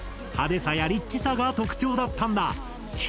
派手さやリッチさが特徴だったんだ。